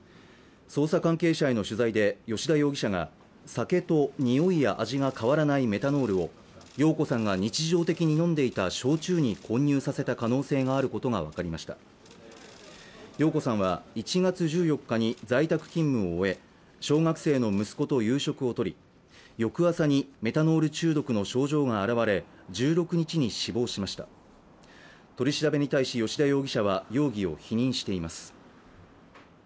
捜査関係者への取材で吉田容疑者が酒と匂いや味が変わらないメタノールを容子さんが日常的に飲んでいた焼酎に混入させた可能性があることが分かりました容子さんは１月１４日に在宅勤務を終え小学生の息子と夕食をとり翌朝にメタノール中毒の症状が現れ１６日に死亡しました取り調べに対し吉田容疑者は容疑を否認しています